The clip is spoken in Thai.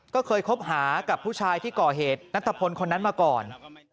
ก็เคยคบหากับผู้ชายที่ก่อเหตุนัทพลคนนั้นมาก่อน